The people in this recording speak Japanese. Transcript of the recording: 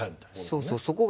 そうそう。